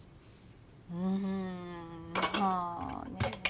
うんまあね。